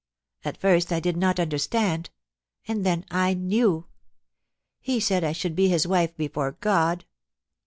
At first I did not understand— and then I knew. ... He said I should be his wife before God.